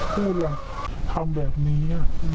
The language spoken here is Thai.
พูดเลยทำแบบนี้